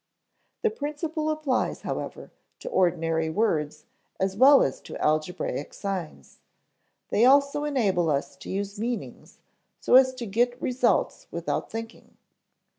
The principle applies, however, to ordinary words, as well as to algebraic signs; they also enable us to use meanings so as to get results without thinking.